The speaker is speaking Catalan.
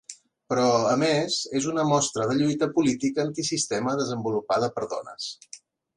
Però, a més, és una mostra de lluita política antisistema desenvolupada per dones.